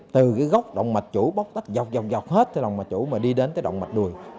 từ góc động mạch chủ bóc tách dọc dọc dọc hết tới động mạch chủ mà đi đến tới động mạch đùi